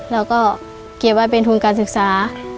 แล้วก็เก็บไว้เป็นทุนการศึกษา